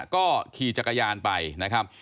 ก็ขี่จักรยานไปนะครับ